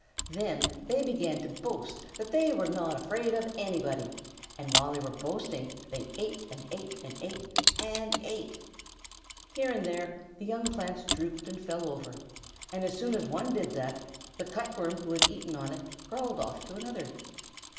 Then they began to boast that they were not afraid of anybody, and while they were boasting they ate and ate and ate and ate. Here and there the young plants drooped and fell over, and as soon as one did that, the Cut Worm who had eaten on it crawled off to another.